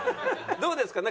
どうですか？